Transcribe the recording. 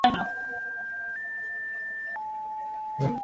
ঐ নোট বই ভর্তি এমন সব সমস্যা-যার সমাধান আমি বের করতে পারি নি।